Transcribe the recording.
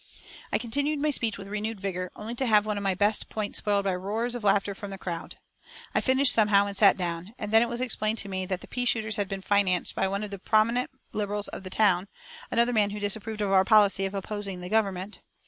I continued my speech with renewed vigor, only to have one of my best points spoiled by roars of laughter from the crowd. I finished somehow, and sat down; and then it was explained to me that the pea shooters had been financed by one of the prominent Liberals of the town, another man who disapproved of our policy of opposing the Government.